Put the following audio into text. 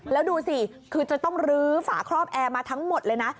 แล้วดูสิคือจะต้องลื้อฝาครอบแอร์มาทั้งหมดเลยนะ